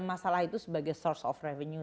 masalah itu sebagai source of revenue